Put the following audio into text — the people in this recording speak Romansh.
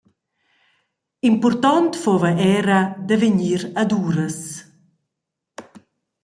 Impurtont fuva era da vegnir ad uras.